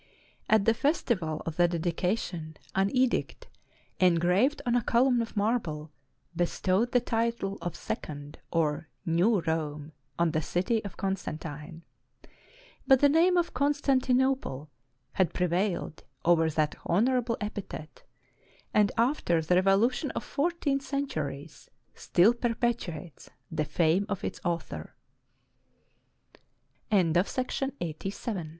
At the festival of the dedi cation, an edict, engraved on a column of marble, be stowed the title of Second or New Rome on the city of Constantine. But the name of Constantinople had pre vailed over that honorable epithet; and after the revolu tion of fourteen centuries, still